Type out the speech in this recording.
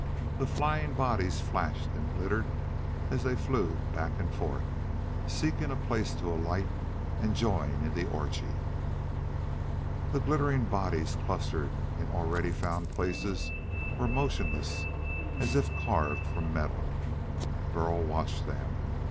The flying bodies flashed and glittered as they flew back and forth, seeking a place to alight and join in the orgy. The glittering bodies clustered in already found places were motionless as if carved from metal. Burl watched them.